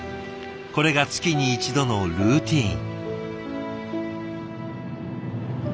これが月に一度のルーティン。